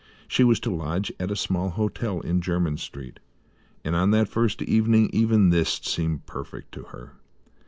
She was to lodge at a small hotel in Jermyn Street; and on that first evening even this seemed perfect to her.